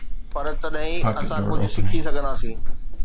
پر تڏهن ئي اسان ڪجهه سکي سگهنداسين.